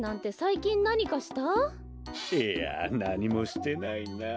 いやなにもしてないなあ。